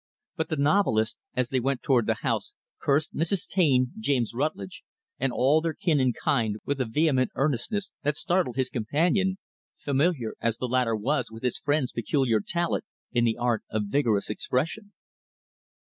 But the novelist as they went toward the house cursed Mrs. Taine, James Rutlidge, and all their kin and kind, with a vehement earnestness that startled his companion familiar as the latter was with his friend's peculiar talent in the art of vigorous expression.